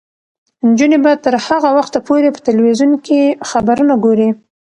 نجونې به تر هغه وخته پورې په تلویزیون کې خبرونه ګوري.